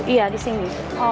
iya di sini